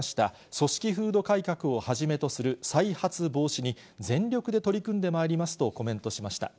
組織風土改革をはじめとする再発防止に全力で取り組んでまいりますとコメントしました。